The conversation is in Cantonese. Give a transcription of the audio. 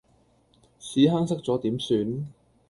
屎坑塞左點算？